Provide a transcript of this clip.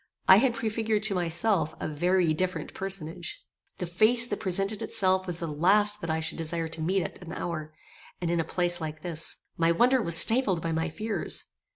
I had prefigured to myself a very different personage. The face that presented itself was the last that I should desire to meet at an hour, and in a place like this. My wonder was stifled by my fears.